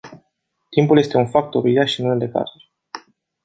Timpul este un factor uriaș în unele cazuri.